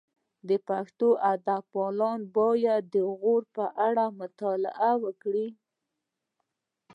د پښتو ادب مینه وال باید د غور په اړه مطالعه وکړي